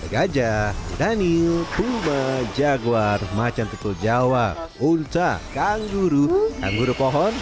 gajah daniel puma jaguar macan tukul jawa unca kangguru kangguru pohon